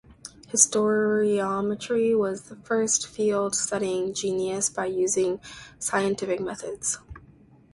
Historiometry was the first field studying genius by using scientific methods.